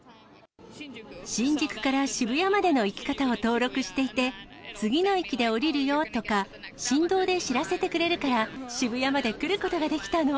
新宿から渋谷までの行き方を登録していて、次の駅で下りるよとか、振動で知らせてくれるから渋谷まで来ることができたの。